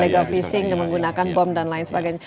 legal fishing dan menggunakan bom dan lain sebagainya